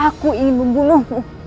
aku ingin membunuhmu